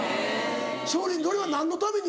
少林寺それは何のために？